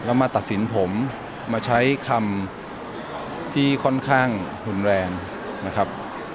แล้วมาตัดสินผมมาใช้คำที่ค่อนข้างรุนแรงนะครับ